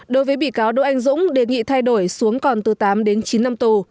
đối với bị cáo đỗ anh dũng đề nghị thay đổi xuống còn từ tám đến chín năm tù